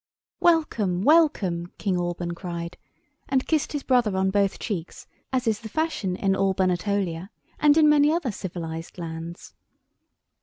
"Welcome, welcome!" King Alban cried, and kissed his brother on both cheeks, as is the fashion in Albanatolia and in many other civilised lands.